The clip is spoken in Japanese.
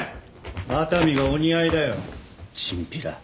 熱海がお似合いだよチンピラ。